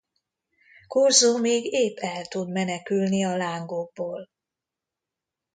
Corso még épp el tud menekülni a lángokból.